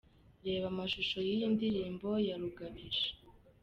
Reba amashusho y'iyi ndirimbo ya Rugabisha.